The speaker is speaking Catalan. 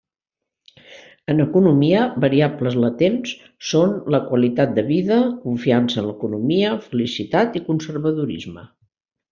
En economia, variables latents són la qualitat de vida, confiança en l'economia, felicitat i conservadorisme.